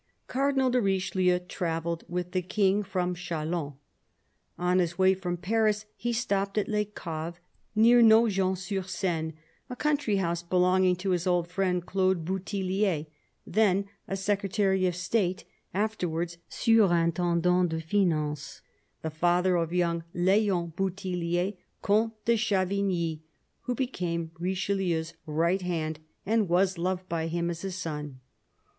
Cardinal de Richelieu travelled with the King from Chalons. On his way from Paris he stopped at Les Caves, near Nogent sur Seine, a country house belonging to his old friend Claude BouthiUier, then a Secretary of State, after wards Surintendant des Finances, the father of young L6on BouthiUier, Comte de Chavigny, who became Richelieu's right hand and was loved by him as a son.